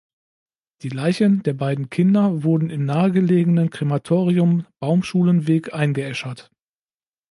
Die Leichen der beiden Kinder wurden im nahe gelegenen Krematorium Baumschulenweg eingeäschert.